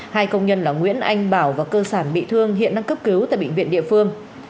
hai công nhân là nguyễn anh bảo và cơ sản bị thương hiện đang cấp cứu tại bệnh viện địa phương